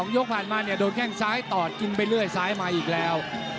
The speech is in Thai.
ยกผ่านมาเนี่ยโดนแข้งซ้ายต่อกินไปเรื่อยซ้ายมาอีกแล้ว